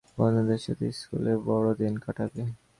বন্ধুদের সাথে স্কুলে বড়দিন কাটাবে।